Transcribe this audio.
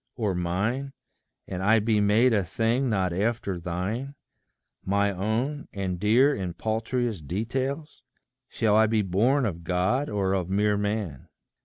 or mine, And I be made a thing not after thine My own, and dear in paltriest details? Shall I be born of God, or of mere man?